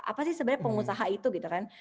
apa sih sebenarnya pengusaha itu gitu kan